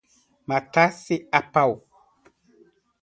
Matasse a pau